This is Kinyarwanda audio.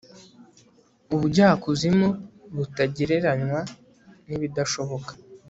Ubujyakuzimu butagereranywa nibidashoboka